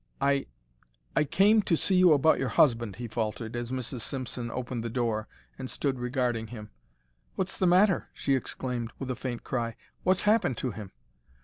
"I—I—came—to see you about your husband," he faltered, as Mrs. Simpson opened the door and stood regarding him. "What's the matter?" she exclaimed, with a faint cry. "What's happened to him?"